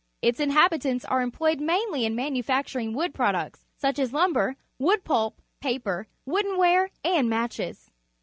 Its inhabitants are employed mainly in manufacturing wood products, such as lum ber, wood pulp, paper, woodenware, and matches.